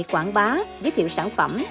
quảng bá giới thiệu sản phẩm